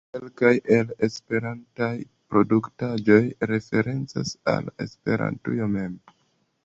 Kelkaj el la esperantaj produktaĵoj referencas al Esperantujo mem.